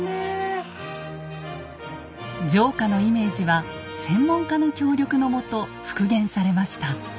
城下のイメージは専門家の協力のもと復元されました。